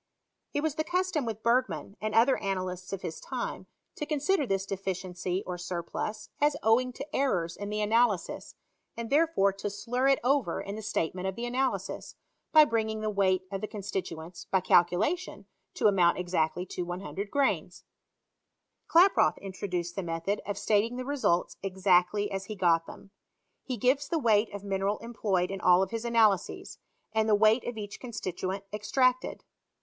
It was the custom with Bergman, and other analysts of his time, to consider this deficiency or surplus as owing to errors in the analysis, and there fore to slur it over in the statement of the analysis, by bringing the weight of the constituents, by cal culation, to amount exactly to 100 grains. Klaproth introduced the method of stating the results exactly as he got them. He gives the weight of mineral employed in all his analyses, and the weight of each constituent extracted.